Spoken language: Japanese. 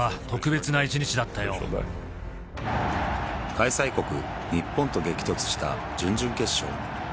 開催国日本と激突した準々決勝